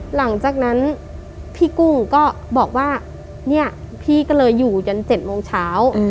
หลังจากนั้นพี่กุ้งก็บอกว่าเนี่ยพี่ก็เลยอยู่จน๗โมงเช้า